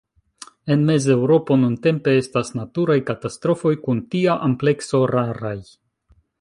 En Mez-Eŭropo nuntempe estas naturaj katastrofoj kun tia amplekso raraj.